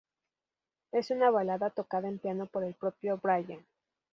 Es una balada tocada en piano por el propio Brian.